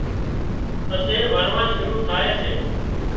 پسي وڻوا شُروع ٿائي سي